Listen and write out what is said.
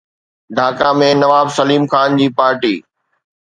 ڍاڪا ۾ نواب سليم خان جي پارٽي